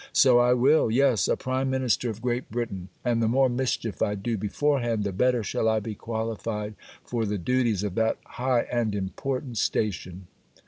_' So I will. Yes, a prime minister of Great Britain: and the more mischief I do before hand, the better shall I be qualified for the duties of that high and important station.